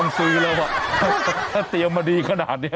ซื้อแล้วถ้าเตรียมมาดีขนาดนี้